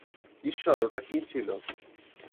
ঈশ্বর, ওটা কী ছিল?